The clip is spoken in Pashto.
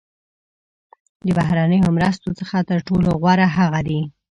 د بهرنیو مرستو څخه تر ټولو غوره هغه دي.